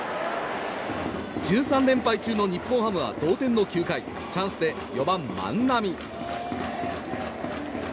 １３連敗中の日本ハムは同点の９回チャンスで４番、万波。